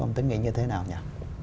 ông tính nghĩ như thế nào nhỉ